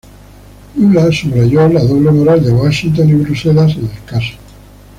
Lula subrayó la doble moral de Washington y Bruselas en el caso.